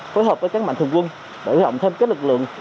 phối hợp với các mạnh thường quân để hỗ trợ thêm các lực lượng